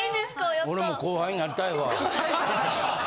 俺も後輩なりたいわ。